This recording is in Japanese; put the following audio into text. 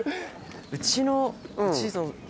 うちの。